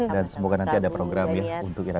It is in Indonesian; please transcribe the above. dan semoga nanti ada program ya untuk ira